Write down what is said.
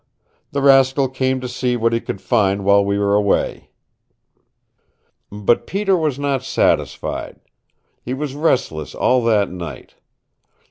The rascal came to see what he could find while we were away." But Peter was not satisfied. He was restless all that night.